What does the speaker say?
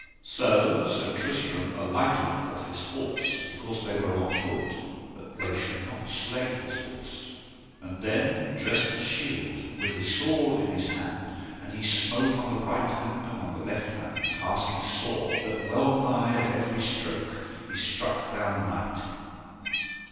So Sir Tristram alighted off his horse because they were on foot, that they should not slay his horse, and then dressed his shield, with his sword in his hand, and he smote on the right hand and on the left hand passing sore, that well nigh at every stroke he struck down a knight.